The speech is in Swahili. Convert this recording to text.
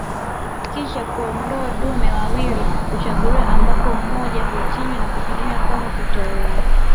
Kisha kondoo dume wawili huchaguliwa ambapo mmoja huchinjwa na kutumiwa kama kitoweo